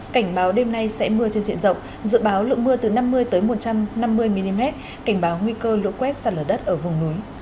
cảnh báo đêm nay sẽ mưa trên diện rộng dự báo lượng mưa từ năm mươi một trăm năm mươi mm cảnh báo nguy cơ lũ quét sạt lở đất ở vùng núi